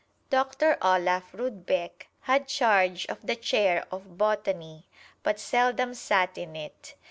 Doctor Olaf Rudbeck had charge of the chair of Botany, but seldom sat in it.